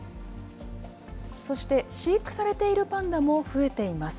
そして飼育されているパンダも増えています。